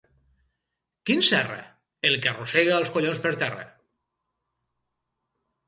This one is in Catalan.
Quin Serra? —El que arrossega els collons per terra.